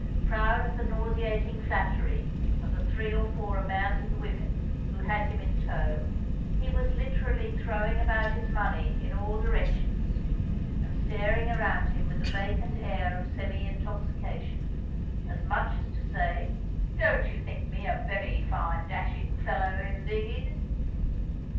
Proud of the nauseating flattery of the three or four abandoned women who had him in tow, he was literally throwing about his money in all directions, and staring around him with the vacant air of semi intoxication, as much as to say, "Don't you think me a very fine dashing fellow indeed?"